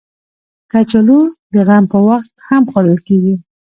کچالو د غم په وخت هم خوړل کېږي